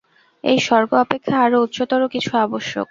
এই স্বর্গ অপেক্ষা আরও উচ্চতর কিছুর আবশ্যক।